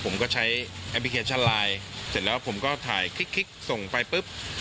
ผมก็ใช้แอปพลิเคชันไลน์เสร็จแล้วผมก็ถ่ายคลิกส่งไปปุ๊บ